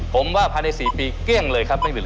ผมว่าพันธุ์ใน๔ปีเกรี่ยงเลยครับแม่งเหลือ